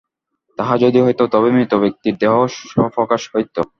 তাহা যদি হইত, তবে মৃত ব্যক্তির দেহও স্বপ্রকাশ হইত।